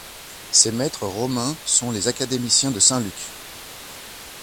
Ses maîtres romains sont les académiciens de Saint Luc.